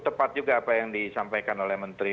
tepat juga apa yang disampaikan oleh menteri